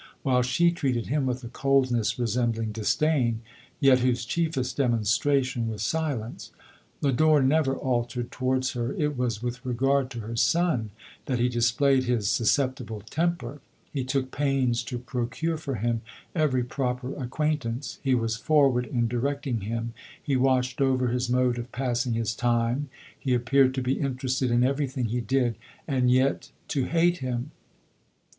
While she treated him with a coldness resem bling disdain, yet whose chiefest demonstration was silence. Lodore never altered towards her; it was with regard to her son that he displayed his susceptible temper. He took pains to pro cure for him every proper acquaintance ; he was forward in directing him ; he watched over his mode of passing his time, he appeared to be interested in every thing he did, and yet to hate him.